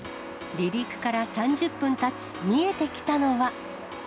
離陸から３０分たち、見えてきたのは。